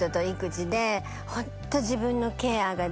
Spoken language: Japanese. ホント。